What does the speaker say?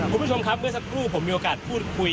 คุณผู้ชมครับเมื่อสักครู่ผมมีโอกาสพูดคุย